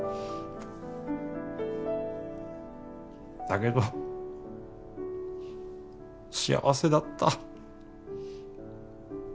だけど幸せだった